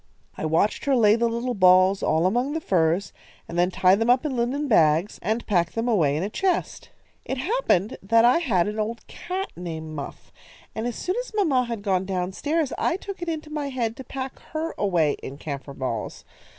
I watched her lay the little balls all among the furs, and then tie them up in linen bags, and pack them away in a chest. "It happened that I had an old cat named Muff, and as soon as mamma had gone down stairs, I took it into my head to pack her away in camphor balls.